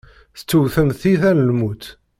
Tettewtem tiyita n lmut.